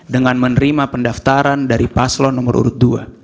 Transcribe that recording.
dengan menerima pendaftaran dari paslon nomor urut dua